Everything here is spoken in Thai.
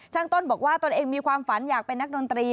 ต้นบอกว่าตนเองมีความฝันอยากเป็นนักดนตรี